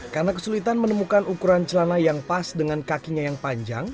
karena kesulitan menemukan ukuran celana yang pas dengan kakinya yang panjang